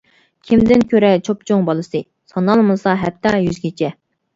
كىمدىن كۆرەر چوپچوڭ بالىسى، سانالمىسا ھەتتا يۈزگىچە.